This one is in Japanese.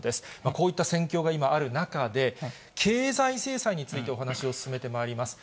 こういった戦況が今ある中で、経済制裁についてお話を進めてまいります。